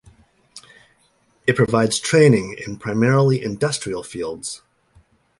It provides training in primarily industrial fields.